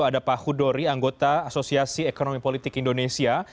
ada pak hudori anggota asosiasi ekonomi politik indonesia